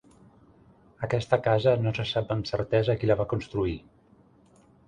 Aquesta casa, no se sap amb certesa qui la va construir.